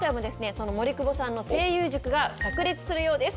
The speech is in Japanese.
その森久保さんの声優塾が炸裂するようです。